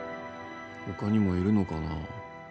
他にもいるのかな